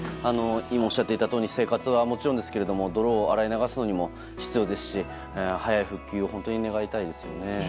今おっしゃっていたとおり生活はもちろんですけど泥を洗い流すのにも必要ですし早い復旧を本当に願いたいですね。